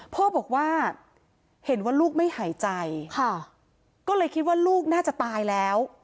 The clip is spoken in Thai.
พ่อบอกว่าเห็นว่าลูกไม่หายใจค่ะก็เลยคิดว่าลูกน่าจะตายแล้ว